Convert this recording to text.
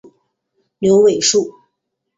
牛尾树